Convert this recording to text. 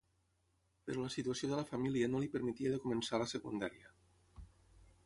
Però la situació de la família no li permetia de començar la secundària.